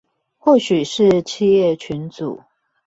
或許是企業群組